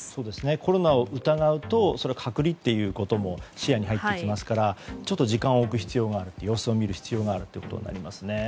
コロナを疑うと隔離ということも視野に入ってきますからちょっと時間を置く必要がある様子を見る必要がありますね。